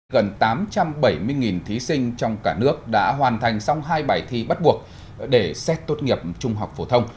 gần tám trăm bảy mươi thí sinh trong cả nước đã hoàn thành xong hai bài thi bắt buộc để xét tốt nghiệp trung học phổ thông